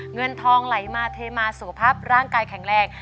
เงินทองไหลมาเทมาสุขภาพร่างกายแข็งแรง